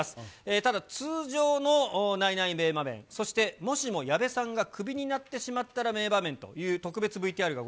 ただ、通常のナイナイ名場面、そして、もしも矢部さんがクビになってしまったら名場面という特別ＶＴＲ何何？